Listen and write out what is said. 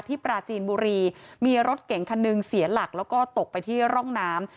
ปราจีนบุรีมีรถเก่งคันหนึ่งเสียหลักแล้วก็ตกไปที่ร่องน้ำ